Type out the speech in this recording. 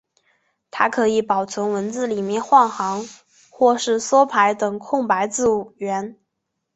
它可以保存文字里面的换行或是缩排等空白字元。